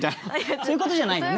そういうことじゃないんだよね？